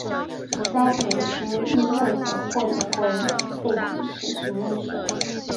沙田区议会的会徽背景是青绿色。